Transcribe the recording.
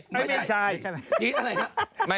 ไม่ใช่